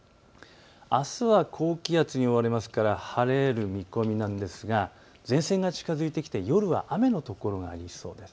あすは高気圧に覆われますから晴れる見込みですが前線が近づいてきて夜は雨の所がありそうです。